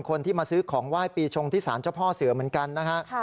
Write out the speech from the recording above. คนที่มาซื้อของไหว้ปีชงที่สารเจ้าพ่อเสือเหมือนกันนะฮะ